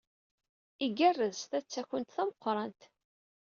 Igerrez, ta d takunt tameqrant.